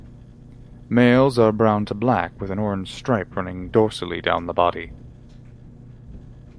Males are brown to black with an orange stripe running dorsally down the body.